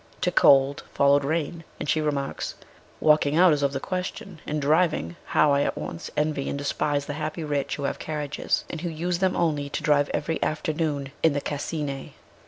To cold followed rain, and she remarks: "Walking is out of the question; and driving how I at once envy and despise the happy rich who have carriages, and who use them only to drive every afternoon in the Cascine.